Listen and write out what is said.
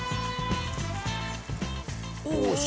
よし。